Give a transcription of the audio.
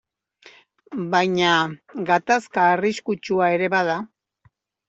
Baina gatazka arriskutsua ere bada.